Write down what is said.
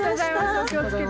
お気をつけて。